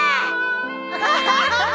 アハハハ。